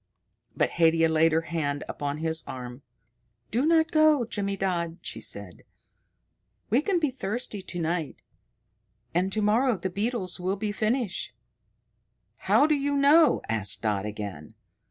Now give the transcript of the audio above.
But Haidia laid her hand upon his arm. "Do not go, Jimmydodd," she said. "We can be thirsty to night, and to morrow the beetles will be finish." "How d'you know?" asked Dodd again.